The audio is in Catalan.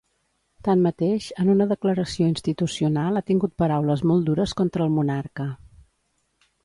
Tanmateix, en una declaració institucional ha tingut paraules molt dures contra el monarca.